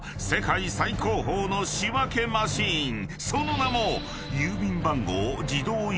［その名も］